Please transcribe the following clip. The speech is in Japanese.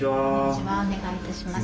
お願い致します。